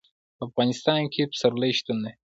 په افغانستان کې پسرلی شتون لري.